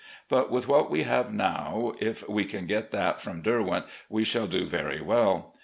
But with what we now have, if we can get that from ' Derwent, ' we shall do very well.